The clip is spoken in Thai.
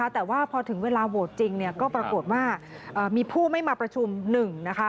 แต่ว่าพอถึงเวลาโหวตจริงก็ปรากฏว่ามีผู้ไม่มาประชุมหนึ่งนะคะ